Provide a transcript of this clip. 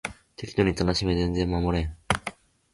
適度に楽しめ全然守れん